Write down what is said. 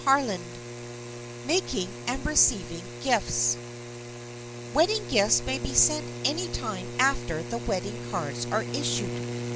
CHAPTER XVI MAKING AND RECEIVING GIFTS WEDDING gifts may be sent any time after the wedding cards are issued.